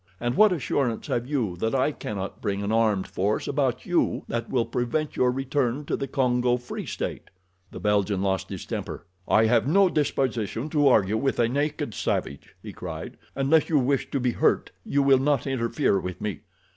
And what assurance have you that I cannot bring an armed force about you that will prevent your return to the Congo Free State?" The Belgian lost his temper. "I have no disposition to argue with a naked savage," he cried. "Unless you wish to be hurt you will not interfere with me.